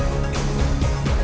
terima kasih pak